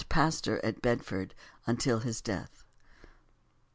Pastor at Bedford until his death.